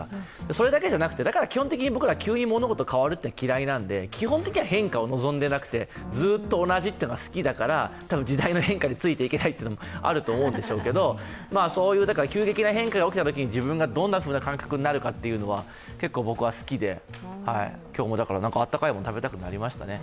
それだけじゃなくて、基本的に僕ら急に物事が変わるのは嫌いなので、基本的には変化を望んでなくてずっと同じというのが好きだから時代の変化についていけないのもあると思うんでしょうけど、急激な変化が起きたときに自分がどんなふうな感覚になるかというのは結構僕は好きで今日も温かいものを食べたくなりましたね。